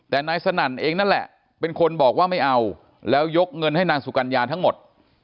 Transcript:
แต่นายสนั่นเองนั่นแหละเป็นคนบอกว่าไม่เอาแล้วยกเงินให้นางสุกัญญาทั้งหมด